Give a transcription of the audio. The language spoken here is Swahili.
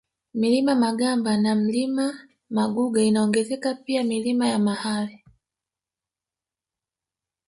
Mlima Magamba na Mlima Maguge inaongezeka pia Milima ya Mahale